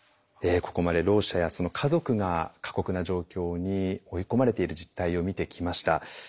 ここまでろう者やその家族が過酷な状況に追い込まれている実態を見てきました。